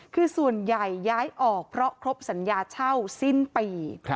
คือส่วนใหญ่ย้ายออกเพราะครบสัญญาเช่าสิ้นปี